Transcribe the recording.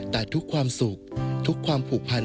แต่ทุกความสุขทุกความผูกพัน